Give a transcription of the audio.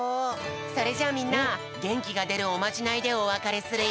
それじゃあみんなげんきがでるおまじないでおわかれするよ。